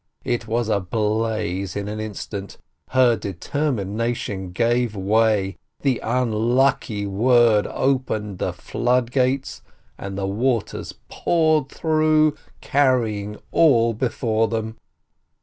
It was ablaze in an instant. Her deter mination gave way, the unlucky word opened the flood gates, and the waters poured through, carrying all be fore them.